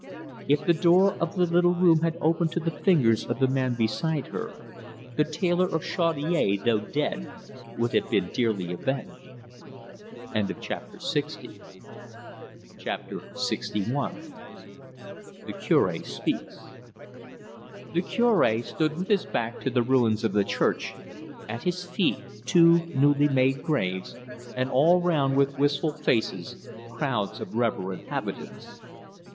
If the door of the little room upstairs had opened to the fingers of the man beside her, the tailor of Chaudiere, though dead, would have been dearly avenged. CHAPTER LXI. THE CURE SPEAKS The Cure stood with his back to the ruins of the church, at his feet two newly made graves, and all round, with wistful faces, crowds of reverent habitants.